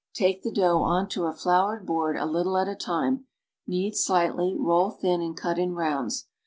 Take the dough onto a floured board a little at a time, knead slightly, roll thin and cut in rounds.